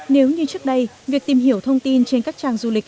nếu như trước đây việc tìm hiểu thông tin trên các trang du lịch